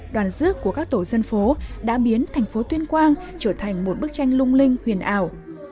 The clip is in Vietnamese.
đoàn rước của các tổ dân phố đã biến thành phố tuyên quang trở thành một bức tranh lung linh huyền ảo